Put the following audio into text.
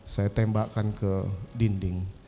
saya tembakan ke dinding